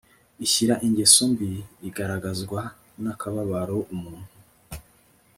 ishyari ingeso mbi igaragazwa n'akababaro umuntu